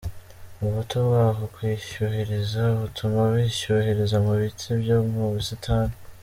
Ubuto bw'aho kwishyuhiriza butuma bishyuhiriza mu biti byo mu busitani.